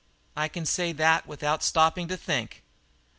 "I can say that without stopping to think."